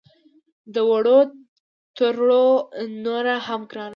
د وړو تروړه نوره هم ګرانه شوه